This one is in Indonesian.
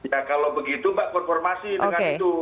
ya kalau begitu pak konfirmasi dengan itu